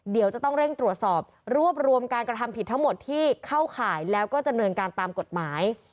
เดี๋ยวจะต้องเร่งตรวจสอบรวบรวมการกระทำผิดทั้งหมดที่เข้าข่ายแล้วก็ดำเนินการตามกฎหมาย